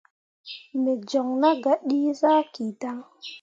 Wǝ joŋ nah gah dǝ zaki dan.